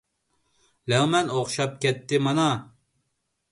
لەڭمەن ئوخشاپ كەتتى مانا.